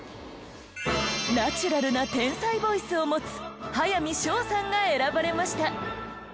ナチュラルな天才ボイスを持つ速水奨さんが選ばれました。